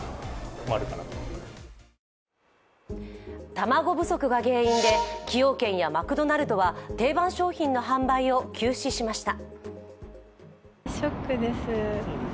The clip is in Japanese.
卵不足が原因で崎陽軒やマクドナルドは定番商品の販売を休止しました。